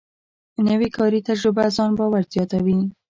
نوې کاري تجربه ځان باور زیاتوي